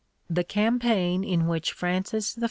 The campaign in which Francis I.